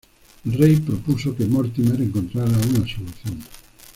El rey propuso que Mortimer encontrara una solución.